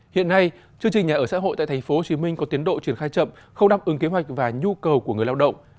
hiện nay chương trình nhà ở xã hội tại tp hcm có tiến độ triển khai chậm không đáp ứng kế hoạch và nhu cầu của người lao động